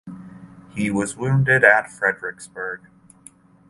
He was wounded at Fredericksburg.